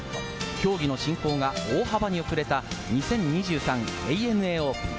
競技の進行が大幅に遅れた２０２３ＡＮＡオープン。